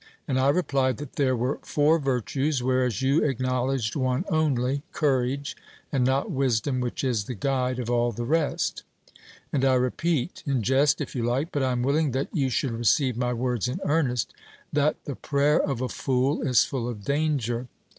And I replied, that there were four virtues, whereas you acknowledged one only courage, and not wisdom which is the guide of all the rest. And I repeat in jest if you like, but I am willing that you should receive my words in earnest that 'the prayer of a fool is full of danger.'